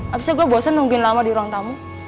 abis itu gue bosen nungguin lama di ruang tamu